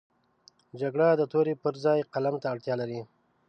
جګړه د تورې پر ځای قلم ته اړتیا لري